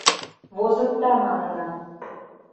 Возыкта, манына.